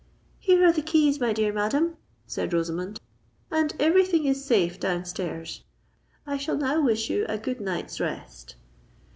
"Here are the keys, my dear madam," said Rosamond; "and every thing is safe down stairs. I shall now wish you a good night's rest."